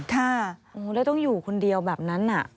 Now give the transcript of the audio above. ค่ะแล้วต้องอยู่คนเดียวแบบนั้น